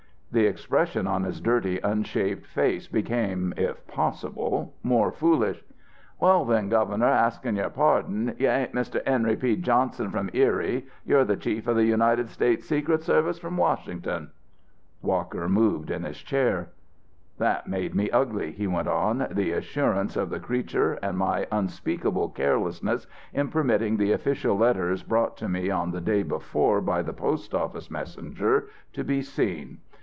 "The expression on his dirty unshaved face became, if possible, more foolish. "'Well, then, Governor, askin' your pardon, you ain't Mr. Henry P. Johnson, from Erie; you're the Chief of the United States Secret Service, from Washington.'" Walker moved in his chair. "That made me ugly," he went on, "the assurance of the creature and my unspeakable carelessness in permitting the official letters brought to me on the day before by the postoffice messenger to be seen.